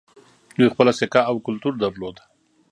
دوی خپله سکه او کلتور درلود